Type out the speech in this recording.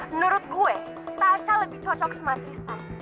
menurut gue tasya lebih cocok sama tristan